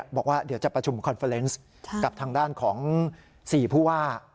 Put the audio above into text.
บอกว่าเดี๋ยวจะประชุมคอนเฟอร์เนส์กับทางด้านของ๔ผู้ว่า